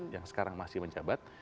yang sekarang masih mencabat